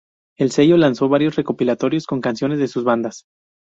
El sello lanzó varios recopilatorios con canciones de sus bandas.